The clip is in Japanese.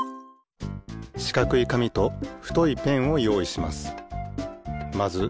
しかくいかみとふといペンをよういします。